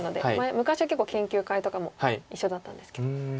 昔は結構研究会とかも一緒だったんですけど。